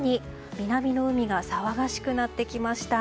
南の海が騒がしくなってきました。